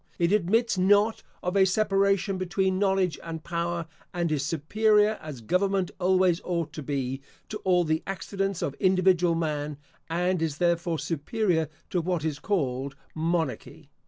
It admits not of a separation between knowledge and power, and is superior, as government always ought to be, to all the accidents of individual man, and is therefore superior to what is called monarchy.